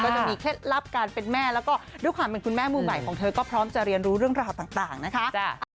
จะมีเคล็ดลับการเป็นแม่แล้วก็ด้วยความเป็นคุณแม่มือใหม่ของเธอก็พร้อมจะเรียนรู้เรื่องราวต่างนะคะ